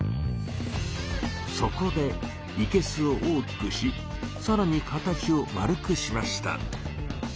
そこでいけすを大きくしさらに形を円くしました。